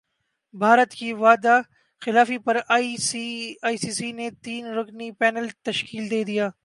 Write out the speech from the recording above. بھارت کی وعدہ خلافی پر ائی سی سی نے تین رکنی پینل تشکیل دیدیا